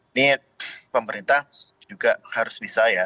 ini pemerintah juga harus bisa ya